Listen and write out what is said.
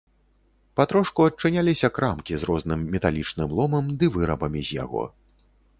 Патрошку адчыняліся крамкі з розным металічным ломам ды вырабамі з яго.